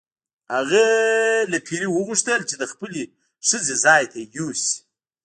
هغه له پیري وغوښتل چې د خپلې ښځې ځای ته یې یوسي.